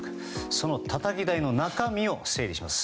そのたたき台の中身を整理します。